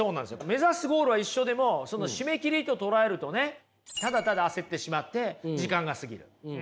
目指すゴールは一緒でもその締め切りと捉えるとねただただ焦ってしまって時間が過ぎる。